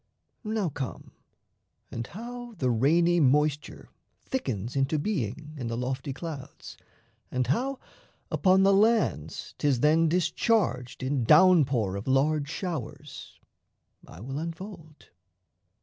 Now come, and how The rainy moisture thickens into being In the lofty clouds, and how upon the lands 'Tis then discharged in down pour of large showers, I will unfold.